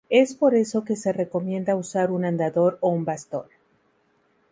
Es por eso que se recomienda usar un andador o un bastón.